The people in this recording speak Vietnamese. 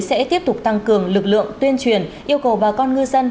quý vị sẽ tiếp tục tăng cường lực lượng tuyên truyền yêu cầu bà con ngư dân